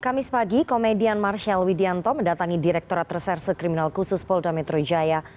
kamis pagi komedian marshal widianto mendatangi direkturat reserse kriminal khusus polda metro jaya